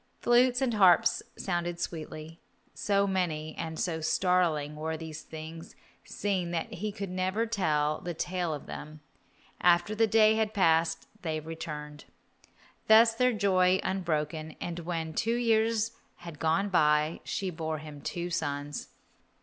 Flutes and harps sounded sweetly. So many and so startling were the things seen that he could never tell the tale of them. After the day had passed they returned. Thus was their joy unbroken, and when two years had gone by she bore him two sons.